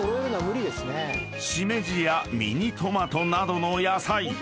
［しめじやミニトマトなどの野菜］